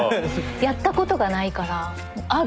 やったことがないからある？